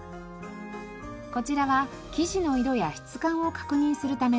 こちらは生地の色や質感を確認するためのサンプル帳。